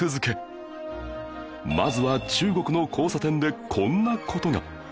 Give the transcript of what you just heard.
まずは中国の交差点でこんな事が